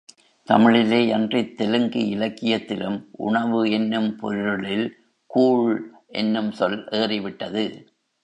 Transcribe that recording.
தமிழிலே யன்றித் தெலுங்கு இலக்கியத்திலும் உணவு என்னும் பொருளில் கூழ் என்னும் சொல் ஏறி விட்டது.